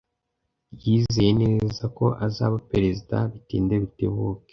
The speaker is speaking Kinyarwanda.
Yizeye neza ko azaba Perezida bitinde bitebuke.